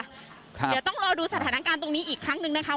เดี๋ยวต้องรอดูสถานการณ์ตรงนี้อีกครั้งหนึ่งนะคะ